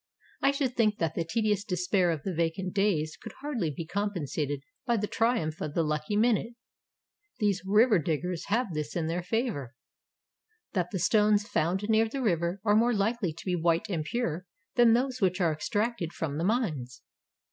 I should think that the tedious despair of the vacant days could hardly be compen sated by the triumph of the lucky minute. These "river" diggers have this in their favor, — that the stones found near the river are more likely to be white and pure than those which are extracted from the mines.